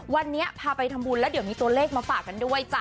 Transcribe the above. วันนี้พาไปทำบุญแล้วเดี๋ยวมีตัวเลขมาฝากกันด้วยจ้ะ